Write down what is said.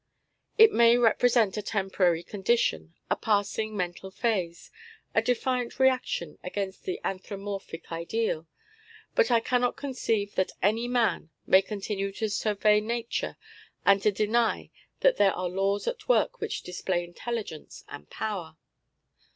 It may represent a temporary condition, a passing mental phase, a defiant reaction against an anthropomorphic ideal; but I cannot conceive that any man can continue to survey Nature and to deny that there are laws at work which display intelligence and power.